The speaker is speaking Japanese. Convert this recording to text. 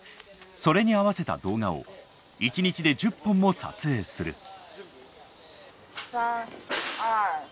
それに合わせた動画を１日で１０本も撮影する。